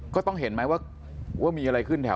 ก็ต้องเห็นไหมว่ามีอะไรขึ้นแถว